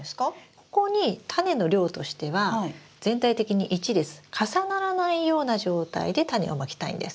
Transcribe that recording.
ここにタネの量としては全体的に１列重ならないような状態でタネをまきたいんです。